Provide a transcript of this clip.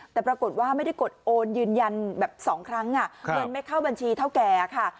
แต่ปรากฏว่าไม่ได้กดโอนยืนยันแบบ๒ครั้งเงินไม่เข้าบัญชีเท่าแก่ค่ะ